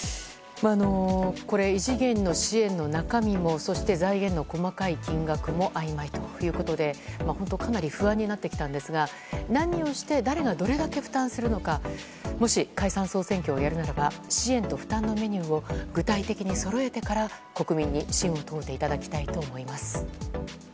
異次元の支援の中身も財源の細かな金額もあいまいということでかなり不安になってきたんですが何をして誰がどれだけ負担するのかもし解散・総選挙をやるならば支援と負担のメニューを具体的にそろえてから国民に信を問うていただきたいと思います。